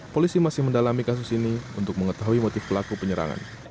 polisi masih mendalami kasus ini untuk mengetahui motif pelaku penyerangan